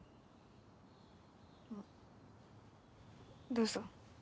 あっどうぞ。